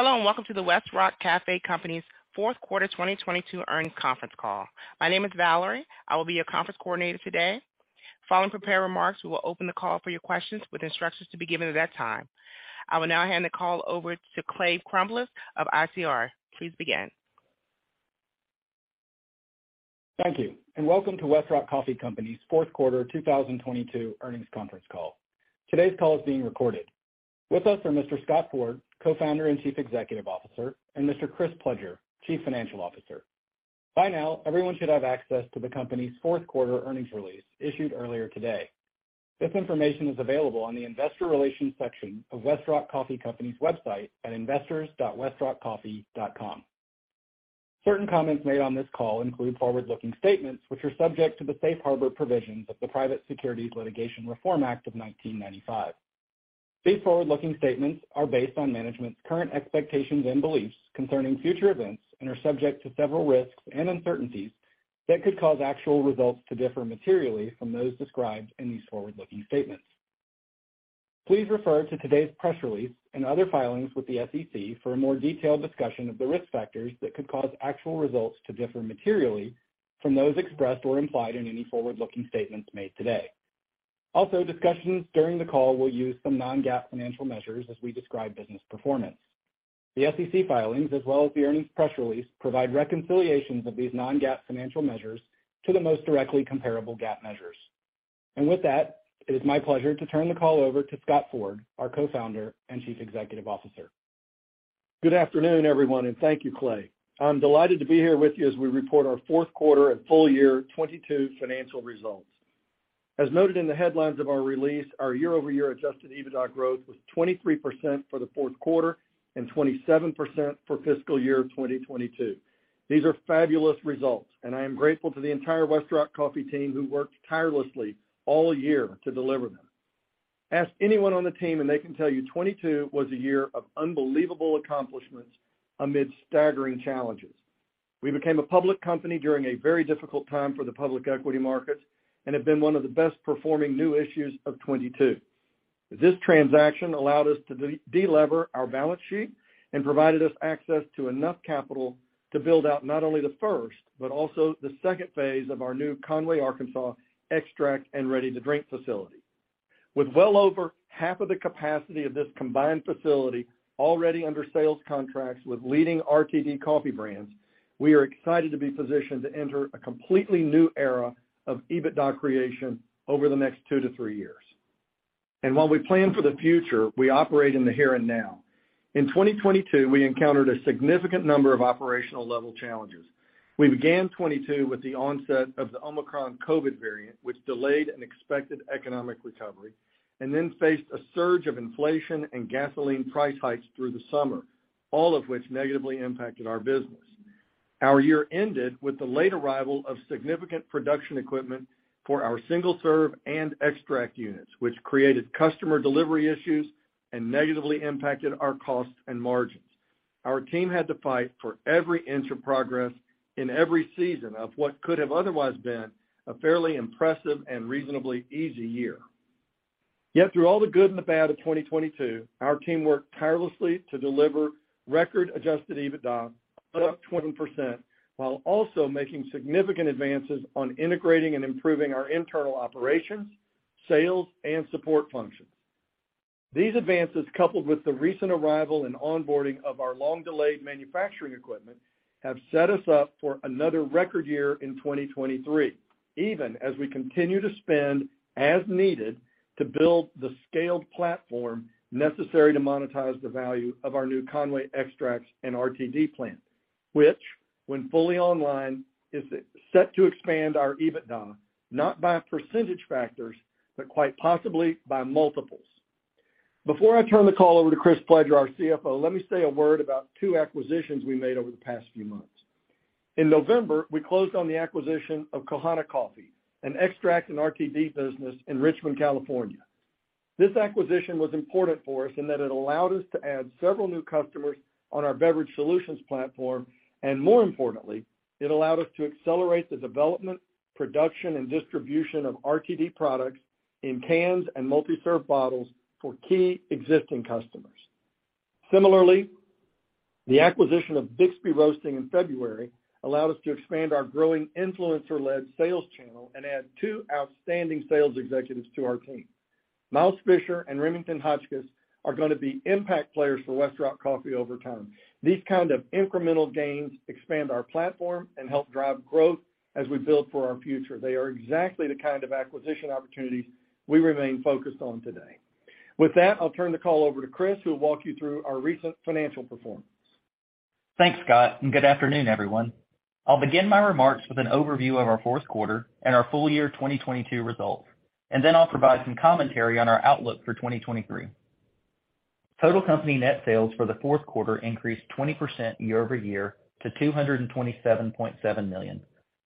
Hello, welcome to the Westrock Coffee Company's fourth quarter 2022 earnings conference call. My name is Valerie. I will be your conference coordinator today. Following prepared remarks, we will open the call for your questions with instructions to be given at that time. I will now hand the call over to Clay Crumbliss of ICR. Please begin. Thank you, and welcome to Westrock Coffee Company's fourth quarter 2022 earnings conference call. Today's call is being recorded. With us are Mr. Scott Ford, Co-founder and Chief Executive Officer, and Mr. Chris Pledger, Chief Financial Officer. By now, everyone should have access to the company's fourth quarter earnings release issued earlier today. This information is available on the investor relations section of Westrock Coffee Company's website at investors.westrockcoffee.com. Certain comments made on this call include forward-looking statements which are subject to the safe harbor provisions of the Private Securities Litigation Reform Act of 1995. These forward-looking statements are based on management's current expectations and beliefs concerning future events and are subject to several risks and uncertainties that could cause actual results to differ materially from those described in these forward-looking statements. Please refer to today's press release and other filings with the SEC for a more detailed discussion of the risk factors that could cause actual results to differ materially from those expressed or implied in any forward-looking statements made today. Also, discussions during the call will use some non-GAAP financial measures as we describe business performance. The SEC filings, as well as the earnings press release, provide reconciliations of these non-GAAP financial measures to the most directly comparable GAAP measures. With that, it is my pleasure to turn the call over to Scott Ford, our Co-founder and Chief Executive Officer. Good afternoon, everyone. Thank you, Clay. I'm delighted to be here with you as we report our fourth quarter and full year 2022 financial results. As noted in the headlines of our release, our year-over-year adjusted EBITDA growth was 23% for the fourth quarter and 27% for fiscal year 2022. These are fabulous results. I am grateful to the entire Westrock Coffee team who worked tirelessly all year to deliver them. Ask anyone on the team, they can tell you, 2022 was a year of unbelievable accomplishments amid staggering challenges. We became a public company during a very difficult time for the public equity markets and have been one of the best-performing new issues of 2022. This transaction allowed us to delever our balance sheet and provided us access to enough capital to build out not only the first, but also the second phase of our new Conway, Arkansas extract and ready-to-drink facility. With well over half of the capacity of this combined facility already under sales contracts with leading RTD coffee brands, we are excited to be positioned to enter a completely new era of EBITDA creation over the next two to three years. While we plan for the future, we operate in the here and now. In 2022, we encountered a significant number of operational level challenges. We began 2022 with the onset of the Omicron COVID variant, which delayed an expected economic recovery, and then faced a surge of inflation and gasoline price hikes through the summer, all of which negatively impacted our business. Our year ended with the late arrival of significant production equipment for our single-serve and extract units, which created customer delivery issues and negatively impacted our costs and margins. Our team had to fight for every inch of progress in every season of what could have otherwise been a fairly impressive and reasonably easy year. Through all the good and the bad of 2022, our team worked tirelessly to deliver record adjusted EBITDA of up 20%, while also making significant advances on integrating and improving our internal operations, sales, and support functions. These advances, coupled with the recent arrival and onboarding of our long-delayed manufacturing equipment, have set us up for another record year in 2023, even as we continue to spend as needed to build the scaled platform necessary to monetize the value of our new Conway extracts and RTD plant, which, when fully online, is set to expand our EBITDA, not by percentage factors, but quite possibly by multiples. Before I turn the call over to Chris Pledger, our CFO, let me say a word about two acquisitions we made over the past few months. In November, we closed on the acquisition of Kohana Coffee, an extract and RTD business in Richmond, California. This acquisition was important for us in that it allowed us to add several new customers on our Beverage Solutions platform, and more importantly, it allowed us to accelerate the development, production, and distribution of RTD products in cans and multi-serve bottles for key existing customers. Similarly, the acquisition of Bixby Roasting in February allowed us to expand our growing influencer-led sales channel and add two outstanding sales executives to our team. Miles Fisher and Remington Hotchkiss are gonna be impact players for Westrock Coffee over time. These kind of incremental gains expand our platform and help drive growth as we build for our future. They are exactly the kind of acquisition opportunities we remain focused on today. With that, I'll turn the call over to Chris, who will walk you through our recent financial performance. Thanks, Scott. Good afternoon, everyone. I'll begin my remarks with an overview of our fourth quarter and our full year 2022 results. Then I'll provide some commentary on our outlook for 2023. Total company net sales for the fourth quarter increased 20% year-over-year to $227.7 million,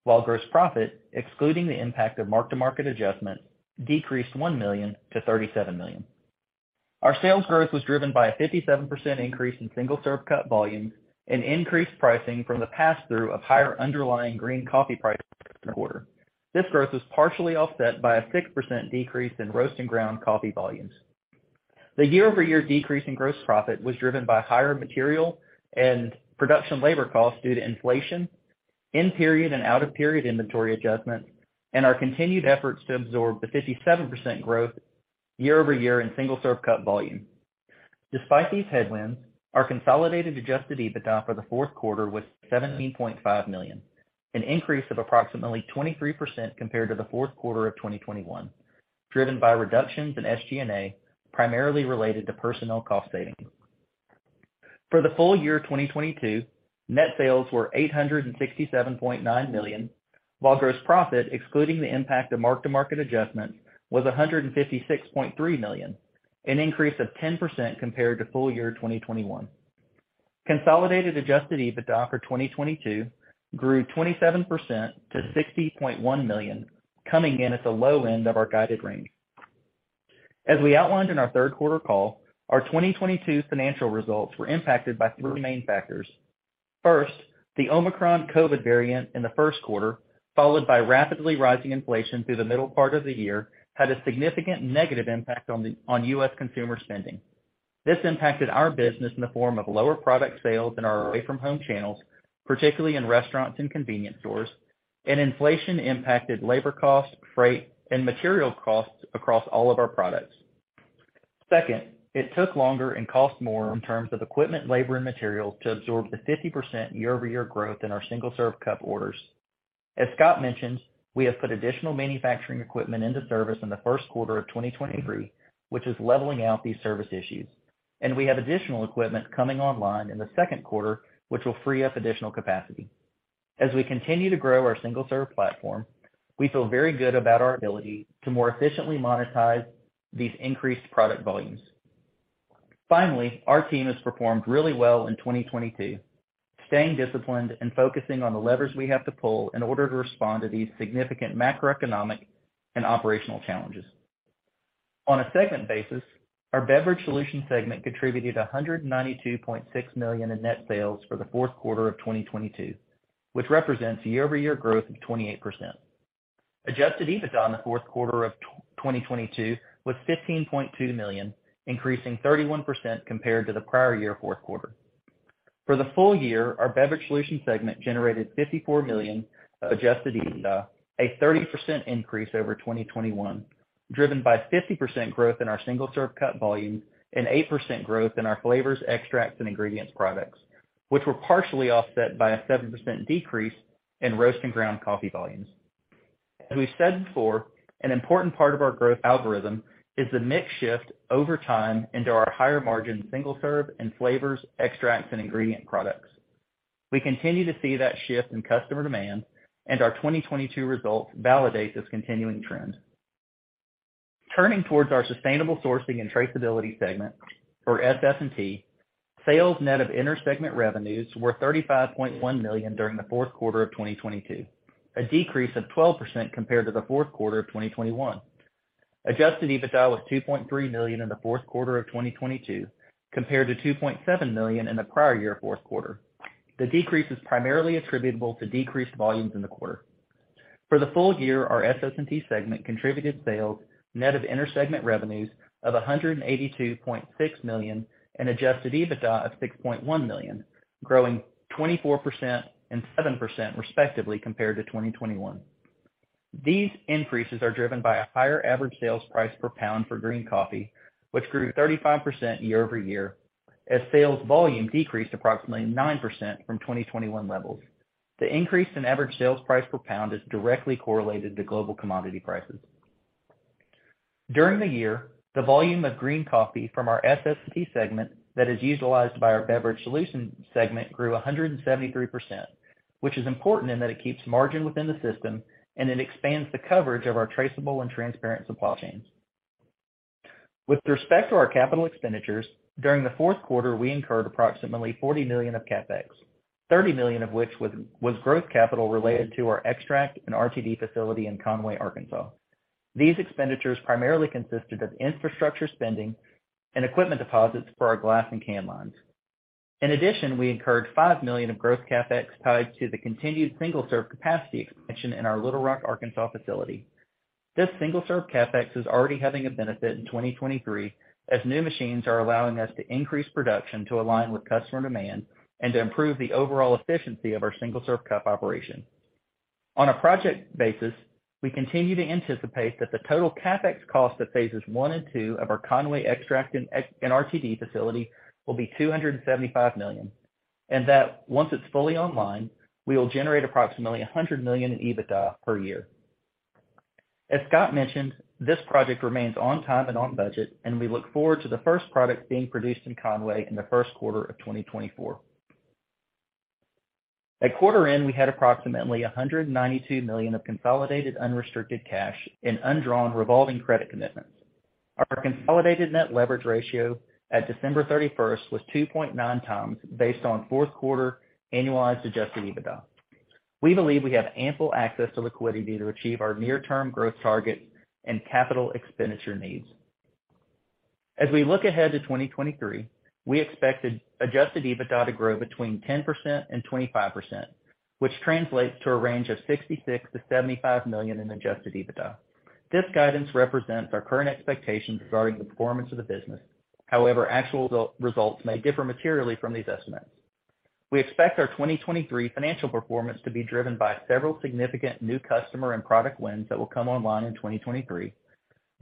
while gross profit, excluding the impact of mark-to-market adjustment, decreased $1 million to $37 million. Our sales growth was driven by a 57% increase in single-serve cup volumes and increased pricing from the pass-through of higher underlying green coffee prices in the quarter. This growth was partially offset by a 6% decrease in roast and ground coffee volumes. The year-over-year decrease in gross profit was driven by higher material and production labor costs due to inflation, in-period and out-of-period inventory adjustments, and our continued efforts to absorb the 57% growth year-over-year in single-serve cup volume. Despite these headwinds, our consolidated adjusted EBITDA for the fourth quarter was $17.5 million, an increase of approximately 23% compared to the fourth quarter of 2021, driven by reductions in SG&A, primarily related to personnel cost savings. For the full year of 2022, net sales were $867.9 million, while gross profit, excluding the impact of mark-to-market adjustments, was $156.3 million, an increase of 10% compared to full year 2021. Consolidated adjusted EBITDA for 2022 grew 27% to $60.1 million, coming in at the low end of our guided range. As we outlined in our third quarter call, our 2022 financial results were impacted by three main factors. First, the Omicron COVID variant in the first quarter, followed by rapidly rising inflation through the middle part of the year, had a significant negative impact on U.S. consumer spending. This impacted our business in the form of lower product sales in our away from home channels, particularly in restaurants and convenience stores, and inflation impacted labor costs, freight, and material costs across all of our products. Second, it took longer and cost more in terms of equipment, labor, and material to absorb the 50% year-over-year growth in our single-serve cup orders. As Scott mentioned, we have put additional manufacturing equipment into service in the first quarter of 2023, which is leveling out these service issues. We have additional equipment coming online in the second quarter, which will free up additional capacity. As we continue to grow our single-serve platform, we feel very good about our ability to more efficiently monetize these increased product volumes. Finally, our team has performed really well in 2022, staying disciplined and focusing on the levers we have to pull in order to respond to these significant macroeconomic and operational challenges. On a segment basis, our Beverage Solutions segment contributed $192.6 million in net sales for the fourth quarter of 2022, which represents year-over-year growth of 28%. Adjusted EBITDA in the fourth quarter of 2022 was $15.2 million, increasing 31% compared to the prior year fourth quarter. For the full year, our Beverage Solutions segment generated $54 million adjusted EBITDA, a 30% increase over 2021, driven by 50% growth in our single-serve cup volume and 8% growth in our flavors, extracts, and ingredients products, which were partially offset by a 7% decrease in roast and ground coffee volumes. As we've said before, an important part of our growth algorithm is the mix shift over time into our higher margin single-serve in flavors, extracts, and ingredient products. Our 2022 results validate this continuing trend. Turning towards our Sustainable Sourcing & Traceability segment, or SS&T, sales net of inter-segment revenues were $35.1 million during the fourth quarter of 2022, a decrease of 12% compared to the fourth quarter of 2021. Adjusted EBITDA was $2.3 million in the fourth quarter of 2022 compared to $2.7 million in the prior year fourth quarter. The decrease is primarily attributable to decreased volumes in the quarter. For the full year, our SS&T segment contributed sales net of inter-segment revenues of $182.6 million and Adjusted EBITDA of $6.1 million, growing 24% and 7% respectively compared to 2021. These increases are driven by a higher average sales price per pound for green coffee, which grew 35% year-over-year as sales volume decreased approximately 9% from 2021 levels. The increase in average sales price per pound is directly correlated to global commodity prices. During the year, the volume of green coffee from our SS&T segment that is utilized by our Beverage Solutions segment grew 173%, which is important in that it keeps margin within the system and it expands the coverage of our traceable and transparent supply chains. With respect to our capital expenditures, during the fourth quarter, we incurred approximately $40 million of CapEx, $30 million of which was growth capital related to our extract and RTD facility in Conway, Arkansas. These expenditures primarily consisted of infrastructure spending and equipment deposits for our glass and can lines. We incurred $5 million of growth CapEx tied to the continued single-serve capacity expansion in our Little Rock, Arkansas facility. This single-serve CapEx is already having a benefit in 2023, as new machines are allowing us to increase production to align with customer demand and to improve the overall efficiency of our single-serve cup operation. On a project basis, we continue to anticipate that the total CapEx cost of phases one and two of our Conway extract and RTD facility will be $275 million, and that once it's fully online, we will generate approximately $100 million in EBITDA per year. As Scott mentioned, this project remains on time and on budget, and we look forward to the first product being produced in Conway in the first quarter of 2024. At quarter end, we had approximately $192 million of consolidated unrestricted cash in undrawn revolving credit commitments.. Our consolidated net leverage ratio at December thirty-first was 2.9 times based on fourth quarter annualized adjusted EBITDA. We believe we have ample access to liquidity to achieve our near-term growth targets and capital expenditure needs. As we look ahead to 2023, we expect adjusted EBITDA to grow between 10% and 25%, which translates to a range of $66 million to $75 million in adjusted EBITDA. This guidance represents our current expectations regarding the performance of the business. However, actual results may differ materially from these estimates. We expect our 2023 financial performance to be driven by several significant new customer and product wins that will come online in 2023.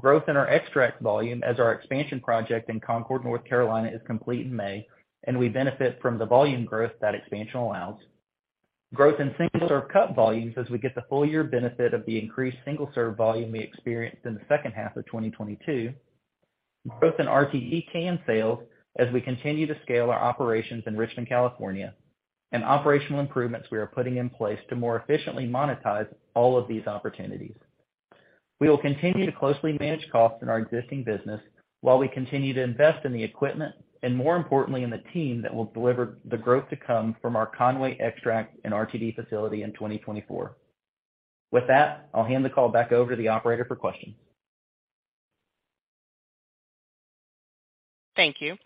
Growth in our extract volume as our expansion project in Concord, North Carolina is complete in May, and we benefit from the volume growth that expansion allows. Growth in single-serve cup volumes as we get the full year benefit of the increased single-serve volume we experienced in the second half of 2022. Growth in RTD can sales as we continue to scale our operations in Richmond, California, and operational improvements we are putting in place to more efficiently monetize all of these opportunities. We will continue to closely manage costs in our existing business while we continue to invest in the equipment and, more importantly, in the team that will deliver the growth to come from our Conway extract and RTD facility in 2024. With that, I'll hand the call back over to the operator for questions. Thank you.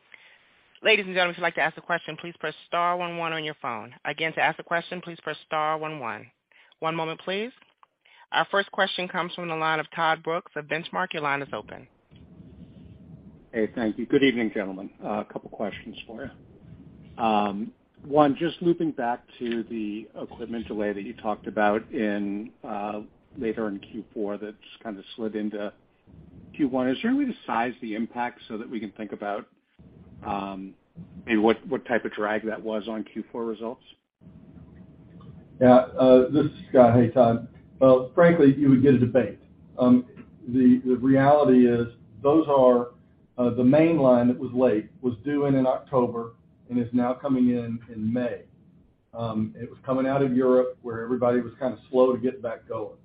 Ladies and gentlemen, if you'd like to ask a question, please press star one one on your phone. Again, to ask a question, please press star one one. One moment, please. Our first question comes from the line of Todd Brooks of Benchmark. Your line is open. Hey, thank you. Good evening, gentlemen. A couple of questions for you. One, just looping back to the equipment delay that you talked about in later in Q4 that's kind of slid into Q1. Is there any way to size the impact so that we can think about maybe what type of drag that was on Q4 results? This is Scott. Hey, Todd. Well, frankly, you would get a debate. The reality is those are the main line that was late was due in October and is now coming in May. It was coming out of Europe, where everybody was kind of slow to get back going.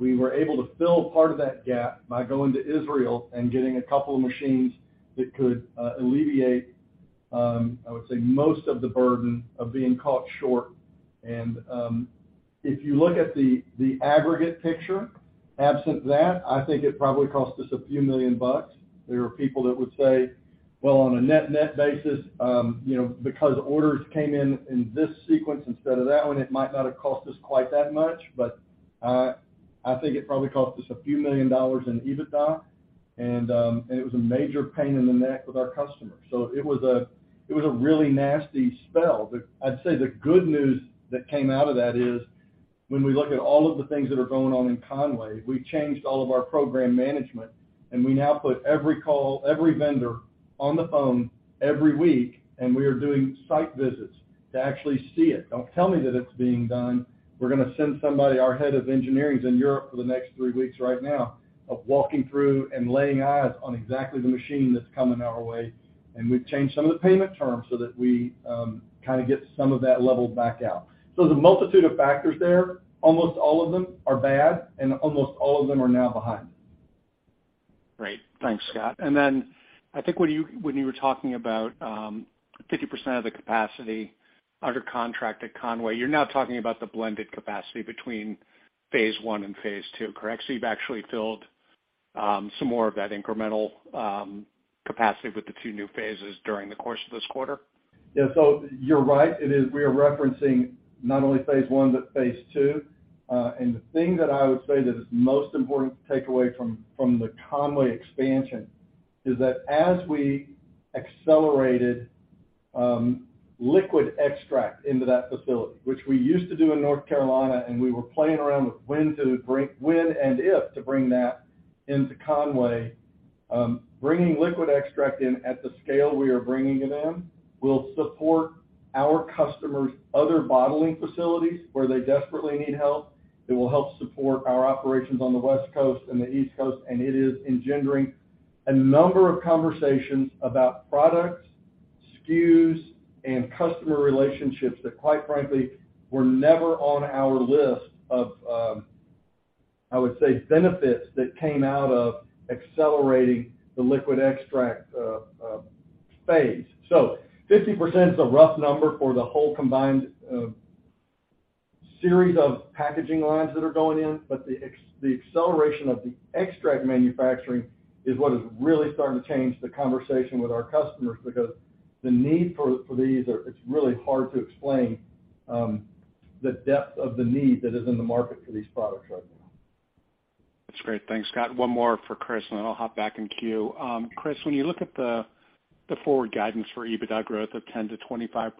We were able to fill part of that gap by going to Israel and getting a couple of machines that could alleviate, I would say, most of the burden of being caught short. If you look at the aggregate picture, absent that, I think it probably cost us a few million dollars There are people that would say, "Well, on a net-net basis, you know, because orders came in in this sequence instead of that one, it might not have cost us quite that much." I think it probably cost us a few million dollars in EBITDA, and it was a major pain in the neck with our customers. It was a, it was a really nasty spell. I'd say the good news that came out of that is when we look at all of the things that are going on in Conway, we've changed all of our program management, and we now put every call, every vendor on the phone every week, and we are doing site visits to actually see it. Don't tell me that it's being done. We're gonna send somebody, our head of engineering's in Europe for the next three weeks right now, of walking through and laying eyes on exactly the machine that's coming our way. We've changed some of the payment terms so that we kind of get some of that level back out. There's a multitude of factors there. Almost all of them are bad, and almost all of them are now behind. Great. Thanks, Scott. I think when you, when you were talking about, 50% of the capacity under contract at Conway, you're now talking about the blended capacity between phase one and phase two, correct? You've actually filled, some more of that incremental, capacity with the two new phases during the course of this quarter. Yeah. You're right. We are referencing not only phase one, but phase two. The thing that I would say that is most important to take away from the Conway expansion is that as we accelerated liquid extract into that facility, which we used to do in North Carolina, and we were playing around with when and if to bring that into Conway, bringing liquid extract in at the scale we are bringing it in will support our customers' other bottling facilities where they desperately need help. It will help support our operations on the West Coast and the East Coast, and it is engendering a number of conversations about products, SKUs, and customer relationships that, quite frankly, were never on our list of, I would say, benefits that came out of accelerating the liquid extract phase. 50% is a rough number for the whole combined series of packaging lines that are going in, but the acceleration of the extract manufacturing is what is really starting to change the conversation with our customers because the need for these are. It's really hard to explain, the depth of the need that is in the market for these products right now. That's great. Thanks, Scott. One more for Chris, and then I'll hop back in queue. Chris, when you look at the forward guidance for EBITDA growth of 10% to 25%,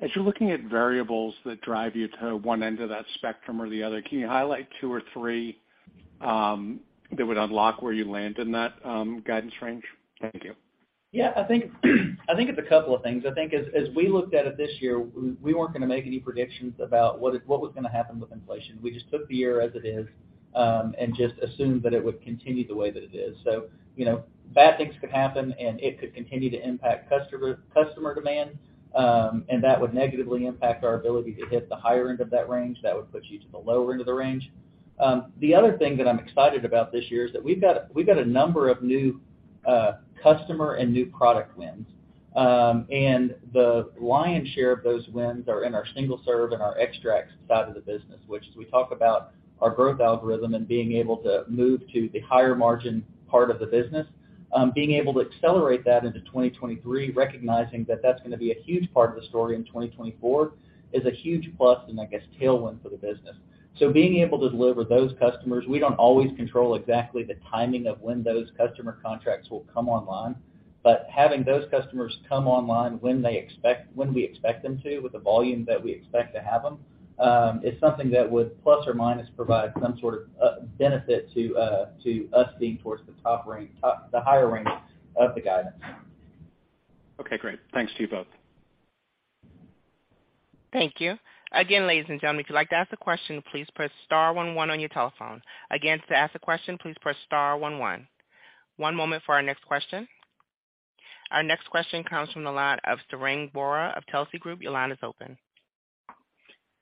as you're looking at variables that drive you to one end of that spectrum or the other, can you highlight two or three that would unlock where you land in that guidance range? Thank you. I think it's a couple of things. I think as we looked at it this year, we weren't gonna make any predictions about what was gonna happen with inflation. We just took the year as it is, and just assumed that it would continue the way that it is. You know, bad things could happen, and it could continue to impact customer demand, and that would negatively impact our ability to hit the higher end of that range. That would put you to the lower end of the range. The other thing that I'm excited about this year is that we've got a number of new customer and new product wins. The lion's share of those wins are in our single-serve and our extracts side of the business, which as we talk about our growth algorithm and being able to move to the higher margin part of the business, being able to accelerate that into 2023, recognizing that that's gonna be a huge part of the story in 2024 is a huge plus and I guess tailwind for the business. Being able to deliver those customers, we don't always control exactly the timing of when those customer contracts will come online. Having those customers come online when we expect them to with the volume that we expect to have them is something that would plus or minus provide some sort of benefit to us being towards the higher range of the guidance. Okay, great. Thanks to you both. Thank you. Again, ladies and gentlemen, if you'd like to ask a question, please press star one one on your telephone. Again, to ask a question, please press star one one. One moment for our next question. Our next question comes from the line of Sarang Vora of Telsey Advisory Group. Your line is open.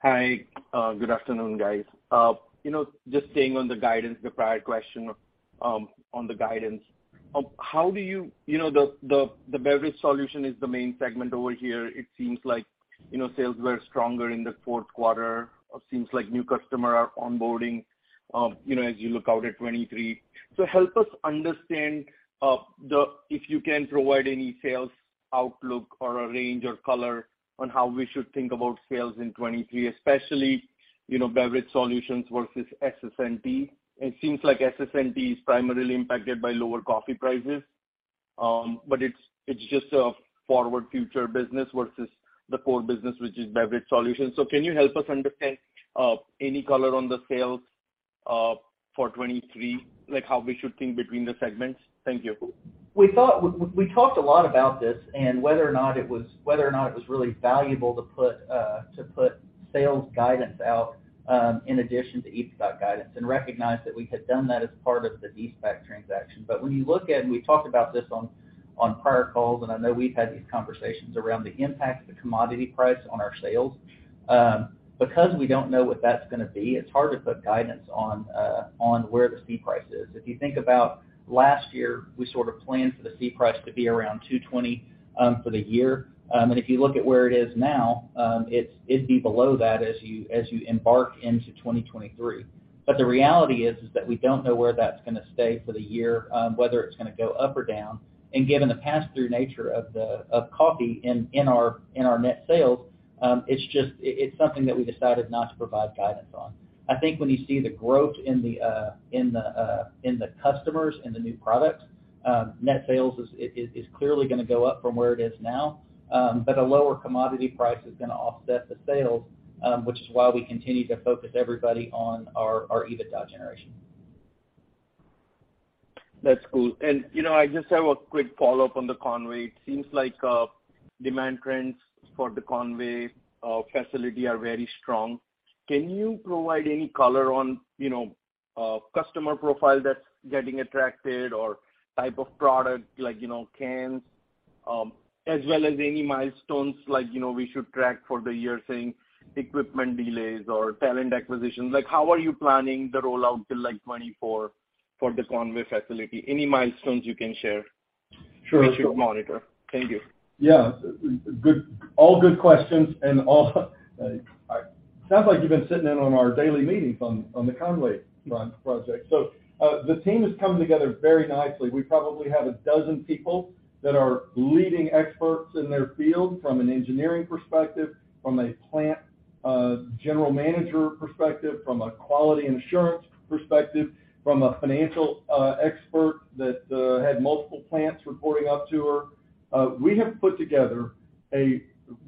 Hi. Good afternoon, guys. You know, just staying on the guidance, the prior question, on the guidance, how do you... You know, the, the Beverage Solutions is the main segment over here. It seems like, you know, sales were stronger in the fourth quarter. Seems like new customer are onboarding, you know, as you look out at 2023. Help us understand, if you can provide any sales outlook or a range or color on how we should think about sales in 2023, especially, you know, Beverage Solutions versus SS&T. It seems like SS&T is primarily impacted by lower coffee prices, but it's just a forward future business versus the core business, which is Beverage Solutions. Can you help us understand, any color on the sales, for 2023, like how we should think between the segments? Thank you. We talked a lot about this and whether or not it was, whether or not it was really valuable to put to put sales guidance out in addition to EBITDA guidance and recognize that we had done that as part of the de-SPAC transaction. When you look at, and we talked about this on prior calls, and I know we've had these conversations around the impact of the commodity price on our sales. Because we don't know what that's gonna be, it's hard to put guidance on on where the C price is. If you think about last year, we sort of planned for the C price to be around $2.20 for the year. And if you look at where it is now, it'd be below that as you embark into 2023. The reality is that we don't know where that's gonna stay for the year, whether it's gonna go up or down. Given the pass-through nature of coffee in our, in our net sales, it's something that we decided not to provide guidance on. I think when you see the growth in the customers and the new products, net sales is clearly gonna go up from where it is now. A lower commodity price is gonna offset the sales, which is why we continue to focus everybody on our EBITDA generation. That's cool. You know, I just have a quick follow-up on the Conway. It seems like demand trends for the Conway facility are very strong. Can you provide any color on, you know, customer profile that's getting attracted or type of product like, you know, cans, as well as any milestones like, you know, we should track for the year, saying equipment delays or talent acquisitions? How are you planning the rollout till, like, 2024 for the Conway facility? Any milestones you can share? Sure. -we should monitor. Thank you. All good questions. Sounds like you've been sitting in on our daily meetings on the Conway project. The team has come together very nicely. We probably have 12 people that are leading experts in their field from an engineering perspective, from a plant general manager perspective, from a quality assurance perspective, from a financial expert that had multiple plants reporting up to her. We have put together.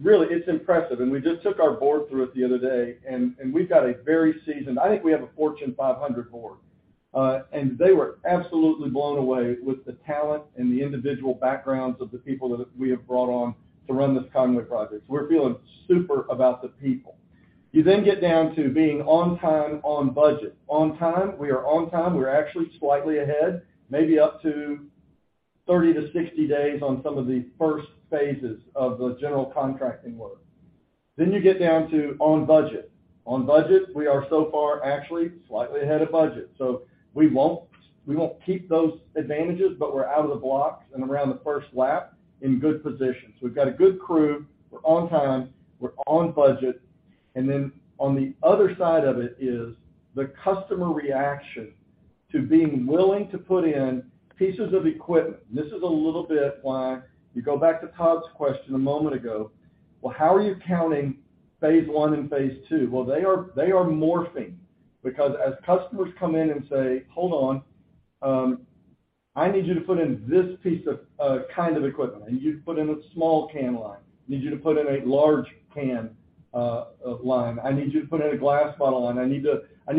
Really, it's impressive, and we just took our board through it the other day, and we've got a very seasoned. I think we have a Fortune 500 board. They were absolutely blown away with the talent and the individual backgrounds of the people that we have brought on to run this Conway project. We're feeling super about the people. You get down to being on time, on budget. On time, we are on time. We're actually slightly ahead, maybe up to 30 to 60 days on some of the first phases of the general contracting work. You get down to on budget. On budget, we are so far actually slightly ahead of budget. We won't keep those advantages, but we're out of the blocks and around the first lap in good position. We've got a good crew. We're on time. We're on budget. On the other side of it is the customer reaction to being willing to put in pieces of equipment. This is a little bit why you go back to Todd's question a moment ago. How are you counting phase one and phase two? Well, they are morphing because as customers come in and say, "Hold on. I need you to put in this piece of kind of equipment. I need you to put in a small can line. I need you to put in a large can of line. I need you to put in a glass bottle line. I need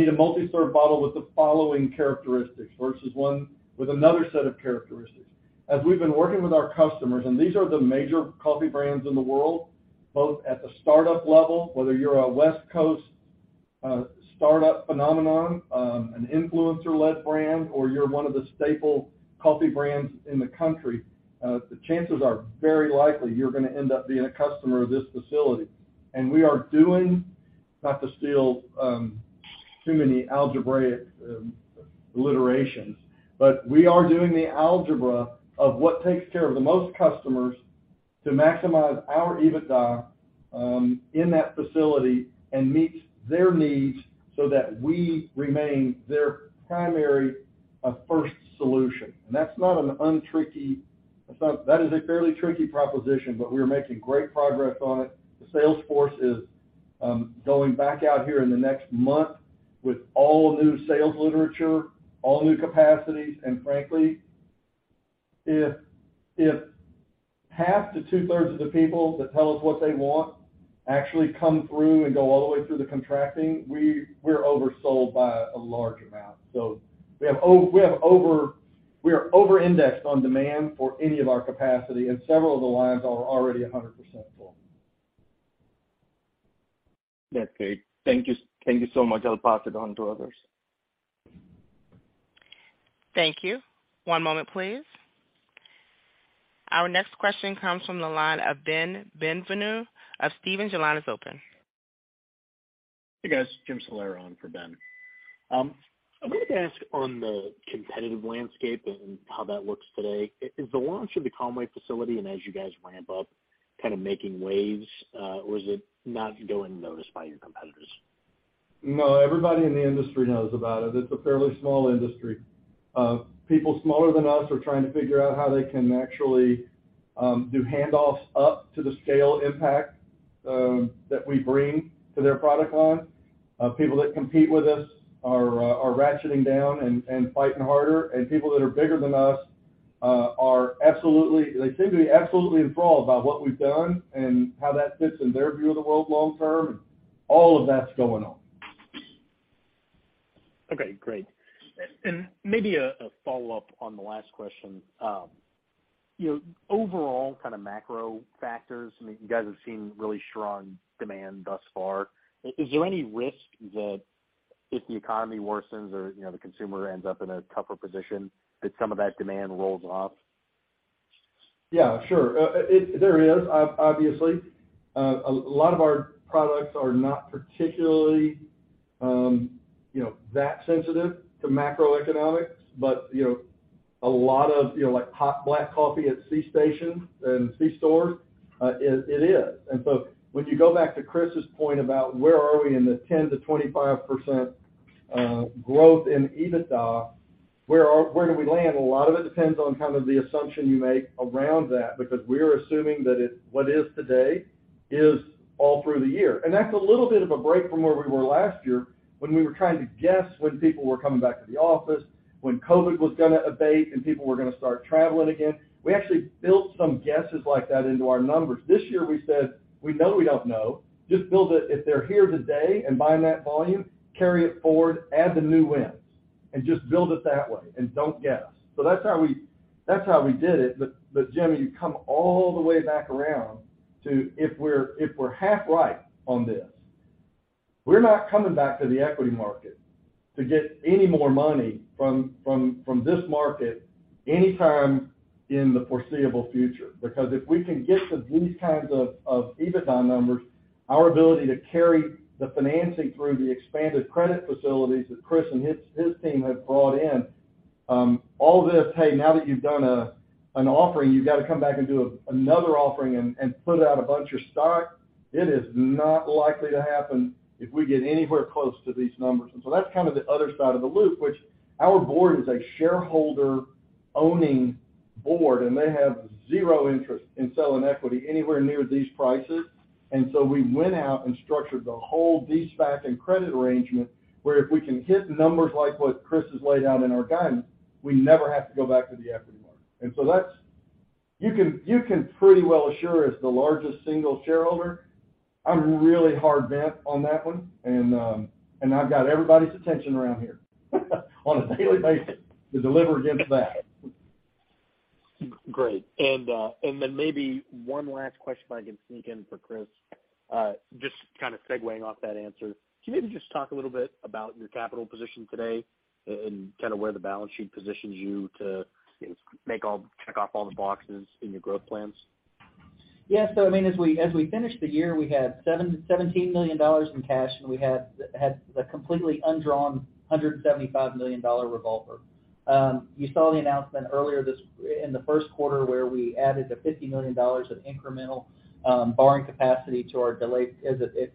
a multi-serve bottle with the following characteristics versus one with another set of characteristics." As we've been working with our customers, and these are the major coffee brands in the world, both at the startup level, whether you're a West Coast startup phenomenon, an influencer-led brand, or you're one of the staple coffee brands in the country, the chances are very likely you're gonna end up being a customer of this facility. We are doing, not to steal, Too many algebraic alliterations. We are doing the algebra of what takes care of the most customers to maximize our EBITDA in that facility and meets their needs so that we remain their primary first solution. That is a fairly tricky proposition, but we are making great progress on it. The sales force is going back out here in the next month with all new sales literature, all new capacities. Frankly, if half to two-thirds of the people that tell us what they want actually come through and go all the way through the contracting, we're oversold by a large amount. We are over-indexed on demand for any of our capacity, and several of the lines are already 100% full. That's great. Thank you so much. I'll pass it on to others. Thank you. One moment, please. Our next question comes from the line of Ben Bienvenu of Stephens Inc. Your line is open. Hey, guys. Jim Salera on for Ben. I wanted to ask on the competitive landscape and how that looks today, is the launch of the Conway facility and as you guys ramp up kind of making waves, or is it not going noticed by your competitors? No, everybody in the industry knows about it. It's a fairly small industry. People smaller than us are trying to figure out how they can actually do handoffs up to the scale impact that we bring to their product line. People that compete with us are ratcheting down and fighting harder. People that are bigger than us are absolutely enthralled by what we've done and how that fits in their view of the world long term. All of that's going on. Okay, great. And maybe a follow-up on the last question. You know, overall kind of macro factors, I mean, you guys have seen really strong demand thus far. Is there any risk that if the economy worsens or, you know, the consumer ends up in a tougher position that some of that demand rolls off? Yeah, sure. There is obviously. A lot of our products are not particularly, you know, that sensitive to macroeconomics, but, you know, a lot of, you know, like hot black coffee at C-station and C-stores, it is. When you go back to Chris's point about where are we in the 10% to 25% growth in EBITDA, where do we land? A lot of it depends on kind of the assumption you make around that, because we're assuming that what is today is all through the year. That's a little bit of a break from where we were last year when we were trying to guess when people were coming back to the office, when COVID was gonna abate and people were gonna start traveling again. We actually built some guesses like that into our numbers. This year we said, we know we don't know. Just build it. If they're here today and buying that volume, carry it forward, add the new wins, and just build it that way and don't guess. That's how we did it. Jim, you come all the way back around to if we're half right on this, we're not coming back to the equity market to get any more money from this market anytime in the foreseeable future. If we can get to these kinds of EBITDA numbers, our ability to carry the financing through the expanded credit facilities that Chris and his team have brought in, all this, "Hey, now that you've done, an offering, you've got to come back and do another offering and put out a bunch of stock," it is not likely to happen if we get anywhere close to these numbers. That's kind of the other side of the loop, which our board is a shareholder-owning board, and they have zero interest in selling equity anywhere near these prices. We went out and structured the whole de-SPAC and credit arrangement, where if we can hit numbers like what Chris has laid out in our guidance, we never have to go back to the equity market. You can pretty well assure as the largest single shareholder, I'm really hard bent on that one. I've got everybody's attention around here on a daily basis to deliver against that. Great. Maybe one last question if I can sneak in for Chris. Just kind of segueing off that answer. Can you maybe just talk a little bit about your capital position today and kind of where the balance sheet positions you to check off all the boxes in your growth plans? Yeah. I mean, as we finished the year, we had $17 million in cash, and we had a completely undrawn $175 million revolver. You saw the announcement earlier in the first quarter, where we added $50 million of incremental borrowing capacity to our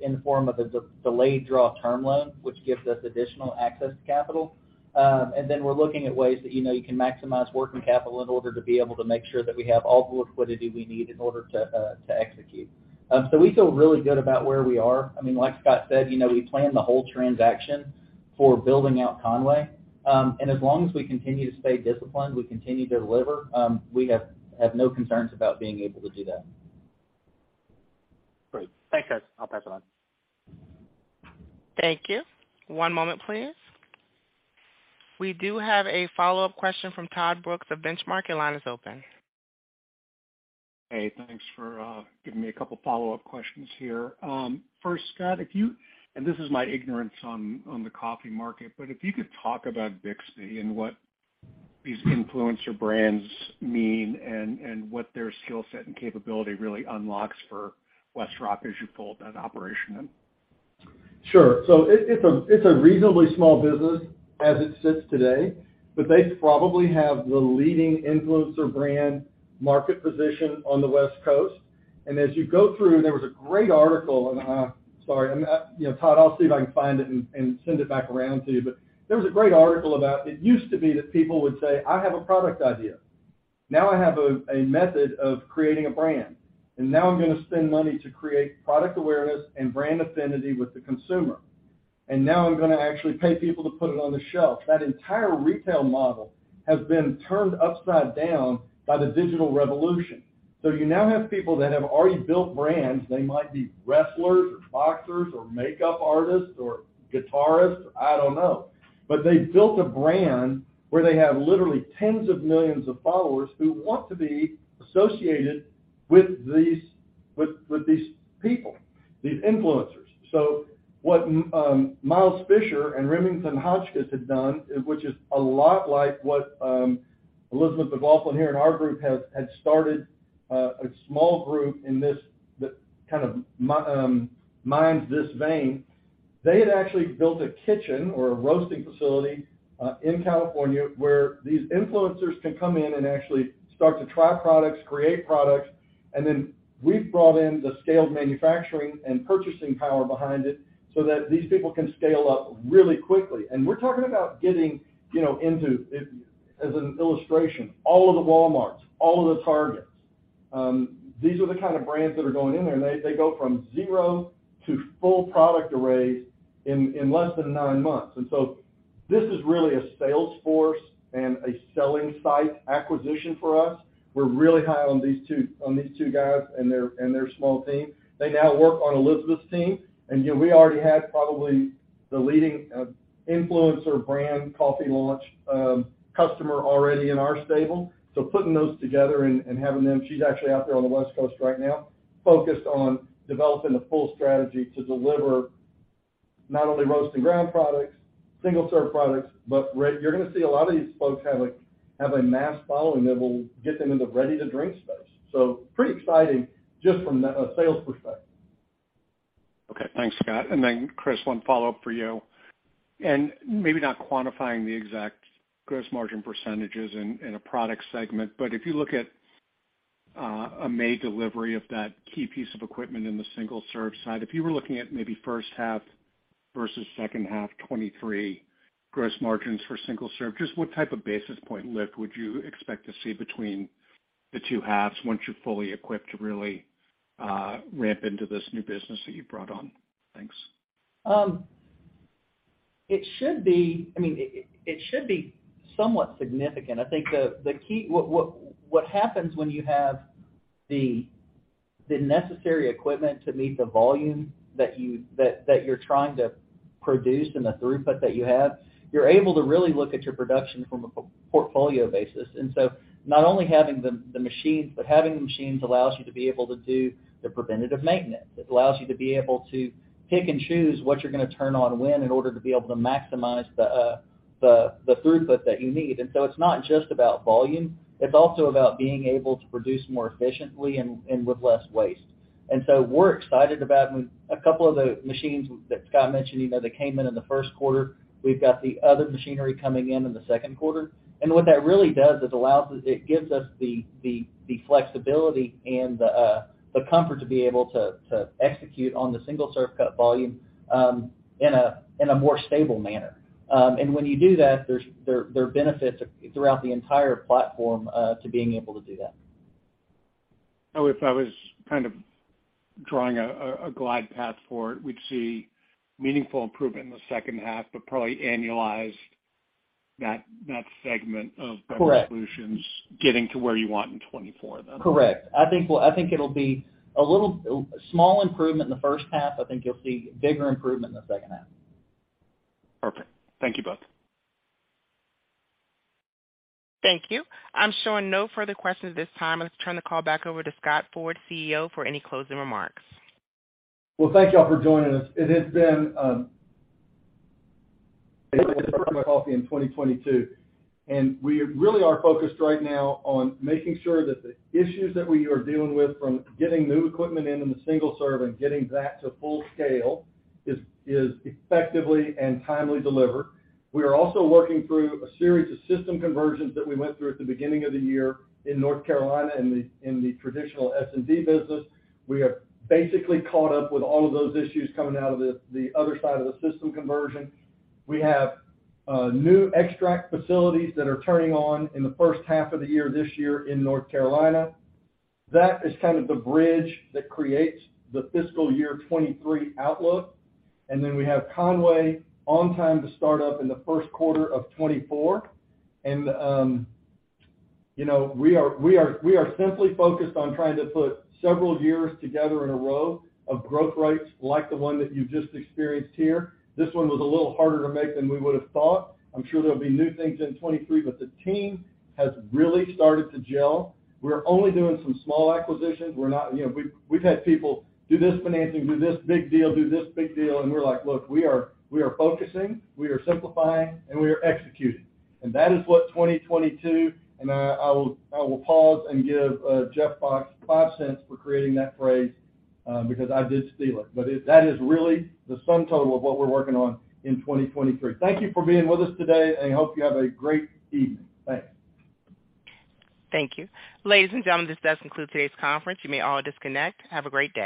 in form of a de-delayed draw term loan, which gives us additional access to capital. Then we're looking at ways that, you know, you can maximize working capital in order to be able to make sure that we have all the liquidity we need in order to execute. We feel really good about where we are. I mean, like Scott said, you know, we plan the whole transaction for building out Conway. As long as we continue to stay disciplined, we continue to deliver, we have no concerns about being able to do that. Great. Thanks, guys. I'll pass it on. Thank you. One moment, please. We do have a follow-up question from Todd Brooks of Benchmark. Your line is open. Hey, thanks for giving me a couple follow-up questions here. First, Scott, and this is my ignorance on the coffee market, but if you could talk about Bixby. These influencer brands mean and what their skill set and capability really unlocks for WestRock as you pull that operation in. Sure. It's a reasonably small business as it sits today, but they probably have the leading influencer brand market position on the West Coast. As you go through, there was a great article, and, sorry, You know, Todd, I'll see if I can find it and send it back around to you. There was a great article about it used to be that people would say, "I have a product idea. Now I have a method of creating a brand. Now I'm gonna spend money to create product awareness and brand affinity with the consumer. Now I'm gonna actually pay people to put it on the shelf." That entire retail model has been turned upside down by the digital revolution. You now have people that have already built brands. They might be wrestlers or boxers or makeup artists or guitarists, I don't know. They built a brand where they have literally tens of millions of followers who want to be associated with these, with these people, these influencers. What Miles Fisher and Remington Hotchkiss had done, which is a lot like what Elizabeth McLaughlin here in our group has, had started a small group in this, that kind of mines this vein. They had actually built a kitchen or a roasting facility in California, where these influencers can come in and actually start to try products, create products, and then we've brought in the scaled manufacturing and purchasing power behind it so that these people can scale up really quickly. We're talking about getting, you know, into, as an illustration, all of the Walmart, all of the Targets. These are the kind of brands that are going in there, and they go from zero to full product arrays in less than nine months. This is really a sales force and a selling site acquisition for us. We're really high on these two guys and their small team. They now work on Elizabeth's team. You know, we already had probably the leading influencer brand coffee launch customer already in our stable. Putting those together and having them, she's actually out there on the West Coast right now, focused on developing the full strategy to deliver not only roast and ground products, single-serve products, but you're gonna see a lot of these folks have a mass following that will get them in the ready-to-drink space. Pretty exciting just from a sales perspective. Okay, thanks, Scott. Chris, one follow-up for you. Maybe not quantifying the exact gross margin percentages in a product segment, but if you look at a May delivery of that key piece of equipment in the single-serve side, if you were looking at maybe first half versus second half 2023 gross margins for single-serve, just what type of basis point lift would you expect to see between the two halves once you're fully equipped to really ramp into this new business that you brought on? Thanks. It should be. I mean, it should be somewhat significant. I think the key, what happens when you have the necessary equipment to meet the volume that you're trying to produce and the throughput that you have, you're able to really look at your production from a portfolio basis. Not only having the machines, but having the machines allows you to be able to do the preventative maintenance. It allows you to be able to pick and choose what you're gonna turn on when in order to be able to maximize the throughput that you need. It's not just about volume, it's also about being able to produce more efficiently and with less waste. We're excited about when a couple of the machines that Scott mentioned, you know, that came in in the first quarter, we've got the other machinery coming in in the second quarter. What that really does is allows us, it gives us the flexibility and the comfort to be able to execute on the single-serve cup volume in a more stable manner. When you do that, there's there are benefits throughout the entire platform to being able to do that. If I was kind of drawing a glide path for it, we'd see meaningful improvement in the second half, but probably annualize that segment of. Correct solutions getting to where you want in 2024 then? Correct. I think it'll be a little, small improvement in the first half. I think you'll see bigger improvement in the second half. Perfect. Thank you both. Thank you. I'm showing no further questions at this time. Let's turn the call back over to Scott Ford, CEO, for any closing remarks. Well, thank y'all for joining us. It has been 2022. We really are focused right now on making sure that the issues that we are dealing with from getting new equipment in the single serve and getting that to full scale is effectively and timely delivered. We are also working through a series of system conversions that we went through at the beginning of the year in North Carolina in the traditional S&D business. We have basically caught up with all of those issues coming out of the other side of the system conversion. We have new extract facilities that are turning on in the first half of the year, this year in North Carolina. That is kind of the bridge that creates the fiscal year 2023 outlook. Then we have Conway on time to start up in the first quarter of 2024. You know, we are simply focused on trying to put several years together in a row of growth rates like the one that you just experienced here. This one was a little harder to make than we would have thought. I'm sure there'll be new things in 2023, but the team has really started to gel. We're only doing some small acquisitions. We're not, you know, we've had people do this financing, do this big deal, do this big deal, and we're like, "Look, we are focusing, we are simplifying, and we are executing." That is what 2022, and I will pause and give Jeff Bozz $0.05 for creating that phrase, because I did steal it. That is really the sum total of what we're working on in 2023. Thank you for being with us today, and I hope you have a great evening. Thanks. Thank you. Ladies and gentlemen, this does conclude today's conference. You may all disconnect. Have a great day.